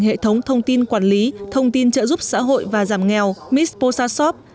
hệ thống thông tin quản lý thông tin trợ giúp xã hội và giảm nghèo misposapp